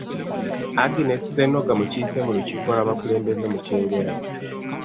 Agness Ssennoga mukiise ku lukiiko lw’abakulembeze mu Kyengera.